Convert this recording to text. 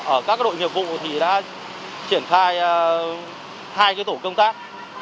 ở các đội nghiệp vụ thì đã triển khai hai tổ công tác